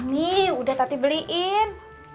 nih udah tati beliin